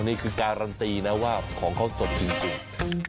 นี่คือการันตีนะว่าของเขาสดจริง